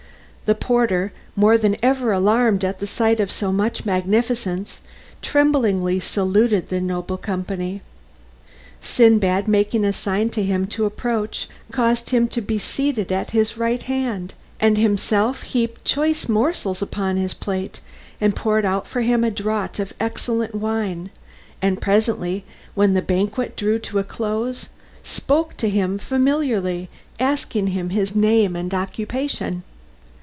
The porter, more than ever alarmed at the sight of so much magnificence, tremblingly saluted the noble company. Sindbad, making a sign to him to approach, caused him to be seated at his right hand, and himself heaped choice morsels upon his plate, and poured out for him a draught of excellent wine, and presently, when the banquet drew to a close, spoke to him familiarly, asking his name and occupation.